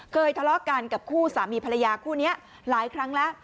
ทะเลาะกันกับคู่สามีภรรยาคู่นี้หลายครั้งแล้ว